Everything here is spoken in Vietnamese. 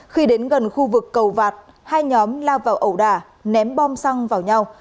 khi đến gần khu vực cầu vạt hai nhóm lao vào ẩu đà ném bom xăng vào nhau